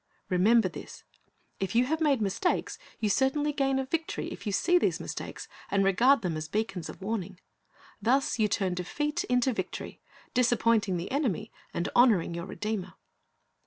"^ Remember this. If you have made mistakes, you certainly gain a victory if you see these mistakes, and regard them as beacons of warning. Thus you turn defeat into victory, disappointing the enemy, and honoring your Redeemer.